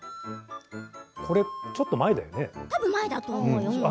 これはちょっと前だよね。